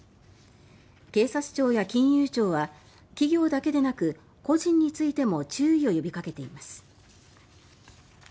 警察庁や金融庁は企業だけでなく個人についても注意を呼びかけています。